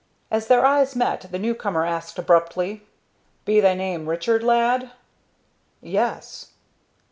As their eyes met, the new comer asked, abruptly: "Be thy name Richard, lad?" "Yes."